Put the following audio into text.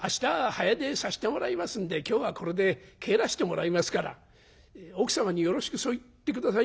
早出さしてもらいますんで今日はこれで帰らしてもらいますから奥様によろしくそう言って下さいまし。